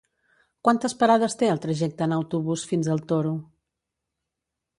Quantes parades té el trajecte en autobús fins al Toro?